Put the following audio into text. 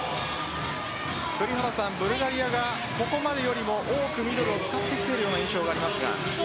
ブルガリアがここまでよりも多くミドルを使ってきているような印象がありますが。